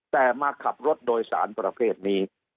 แต่มาขับรถโดยสารประเภทนี้